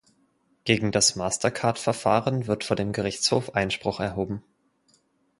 Gegen das MasterCard-Verfahren wird vor dem Gerichtshof Einspruch erhoben.